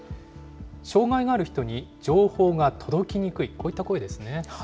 障害がある人に情報が届きにくい、こういった声ですね。